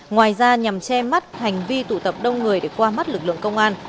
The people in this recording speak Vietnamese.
ngoài ra nhằm che mắt hành vi tụ tập đông người để qua mắt lực lượng công an